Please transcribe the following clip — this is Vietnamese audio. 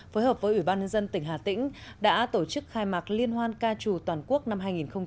phối hợp với ủy ban nhân dân tỉnh hà tĩnh đã tổ chức khai mạc liên hoan ca trù toàn quốc năm hai nghìn hai mươi